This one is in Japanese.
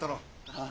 ああ。